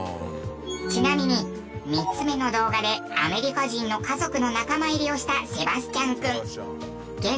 ちなみに３つ目の動画でアメリカ人の家族の仲間入りをしたセバスチャン君。